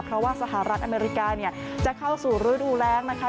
เพราะว่าสหรัฐอเมริกาเนี่ยจะเข้าสู่ฤดูแรงนะคะ